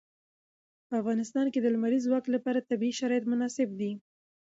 په افغانستان کې د لمریز ځواک لپاره طبیعي شرایط مناسب دي.